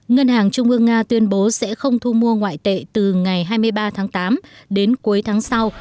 ngân hàng trung ương nga tuyên bố sẽ không thu mua ngoại tệ từ ngày hai mươi ba tháng tám đến cuối tháng sau